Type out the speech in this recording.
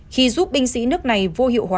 khi giúp binh sĩ nước này vô hiệu